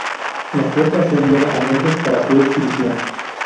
La puerta fue enviada a Londres para su exhibición.